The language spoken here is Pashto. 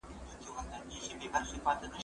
زه پاکوالي ساتلي دي،